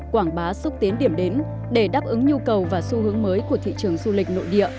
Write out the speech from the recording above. quảng bá xúc tiến điểm đến để đáp ứng nhu cầu và xu hướng mới của thị trường du lịch nội địa